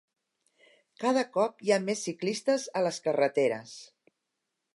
Cada cop hi ha més ciclistes a les carreteres.